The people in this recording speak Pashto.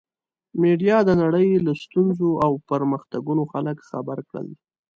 میډیا د نړۍ له ستونزو او پرمختګونو خلک خبر کړل.